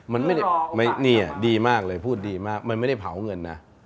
มันไม่ได้นี่ดีมากเลยพูดดีมากมันไม่ได้เผาเงินนะ